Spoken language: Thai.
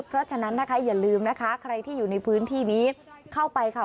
เพราะฉะนั้นนะคะอย่าลืมนะคะใครที่อยู่ในพื้นที่นี้เข้าไปค่ะ